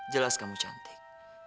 jelas kamu cantik